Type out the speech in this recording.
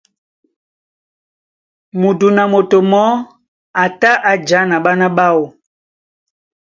Mudun a moto mɔɔ́ a tá a jǎ na ɓána ɓáō.